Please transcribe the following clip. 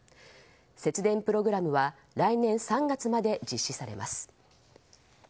節電プログラムは来年３月まで実施されます。